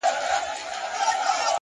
هره ورځ د اغېز پرېښودلو فرصت لري.